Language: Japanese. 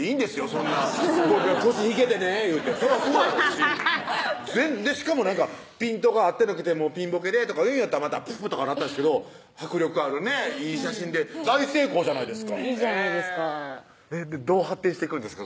そんな「僕が腰引けてね」いうてそらそうやろうししかも「ピントが合ってなくてピンボケで」とか言うんやったら「プーッ」とかなったんですけど迫力あるねいい写真で大成功じゃないですかへぇどう発展していくんですか？